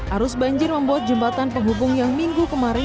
arus banjir membuat jembatan penghubung yang minggu kemarin